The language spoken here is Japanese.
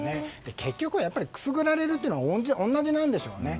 結局くすぐられるというのは同じなんでしょうね。